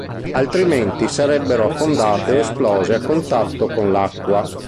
Altrimenti sarebbero affondate o esplose a contatto con l'acqua.